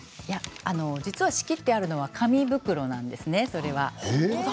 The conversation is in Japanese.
仕切ってあるのは紙袋なんですね。